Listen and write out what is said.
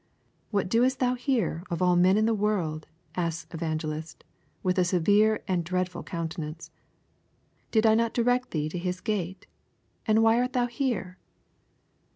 What doest thou here of all men in the world? asked Evangelist, with a severe and dreadful countenance. Did I not direct thee to His gate, and why art thou here?